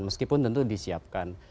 meskipun tentu disiapkan